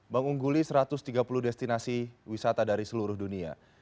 mengungguli satu ratus tiga puluh destinasi wisata dari seluruh dunia